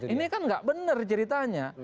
ini kan nggak benar ceritanya